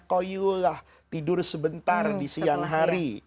koyullah tidur sebentar di siang hari